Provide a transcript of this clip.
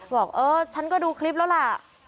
บอกเออฉันก็ดูคลิปแล้วล่ะ